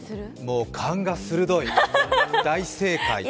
もう勘が鋭い、大正解！